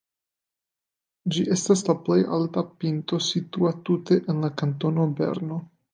Ĝi estas la plej alta pinto situa tute en la kantono Berno.